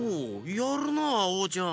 やるなオーちゃん！